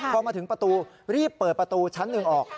พอมาถึงประตูรีบเปิดประตูชั้นหนึ่งออก